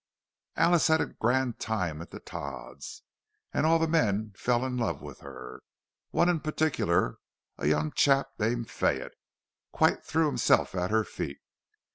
Alice had a grand time at the Todds'; all the men fell in love with her—one in particular, a young chap named Fayette, quite threw himself at her feet.